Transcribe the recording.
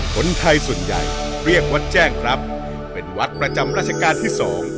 คนไทยส่วนใหญ่เรียกวัดแจ้งครับเป็นวัดประจำราชการที่สอง